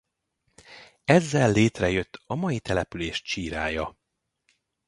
Ezzel létrejött a mai település csírája.